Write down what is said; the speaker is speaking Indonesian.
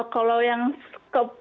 kalau yang ke